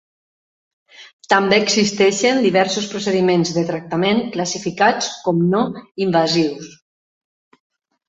També existeixen diversos procediments de tractament classificats com no invasius.